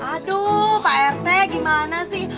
aduh pak rt gimana sih